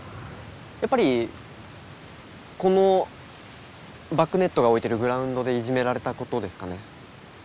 やっぱりこのバックネットが置いてるグラウンドでいじめられたことですかね。